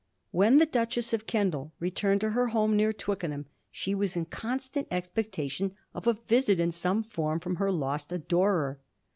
When the Duchess of Kendal returned to her home near Twickenham she was in constant expectation of a visit in some form from her lost adorer.